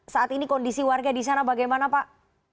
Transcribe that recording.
saat ini kondisi warga di sana bagaimana pak